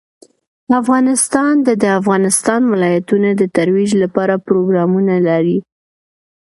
افغانستان د د افغانستان ولايتونه د ترویج لپاره پروګرامونه لري.